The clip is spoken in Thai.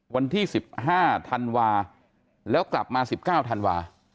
วันที่สิบห้าธันวาแล้วกลับมาสิบเก้าธันวา